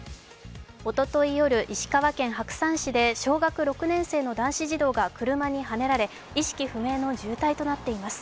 おととい夜、石川県白山市で小学６年生の男子児童が車にはねられ、意識不明の重体となっています。